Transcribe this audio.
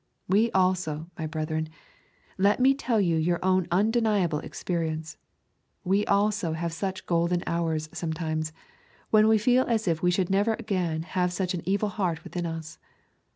We also, my brethren let me tell you your own undeniable experience we also have such golden hours sometimes, when we feel as if we should never again have such an evil heart within us.